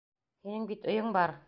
Һинең бит өйөң бар.